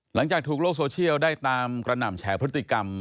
หลังจากถูกโลกโซเชียลได้ตามกระหน่ำแฉพฤติกรรม